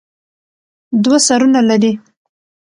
دوه سرونه لري.